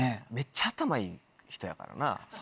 めっちゃ頭いい人やからなぁ。